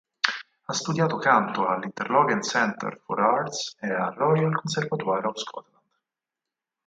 Ha studiato canto all'Interlochen Center for the Arts e al Royal Conservatoire of Scotland.